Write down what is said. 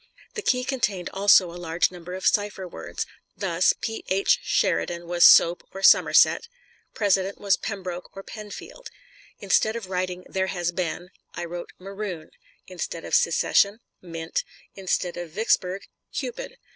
The key contained also a large number of cipher words. Thus, P. H. Sheridan was "soap" or "Somerset"; President was "Pembroke" or "Penfield." Instead of writing "there has been," I wrote "maroon"; instead of secession, "mint"; instead of Vicksburg, "Cupid."